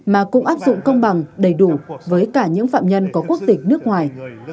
mà cũng áp dụng công bằng đầy đủ với cả những phạm nhân có quốc tịch nước ngoài